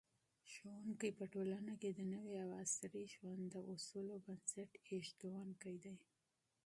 استاد په ټولنه کي د نوي او عصري ژوند د اصولو بنسټ ایښودونکی دی.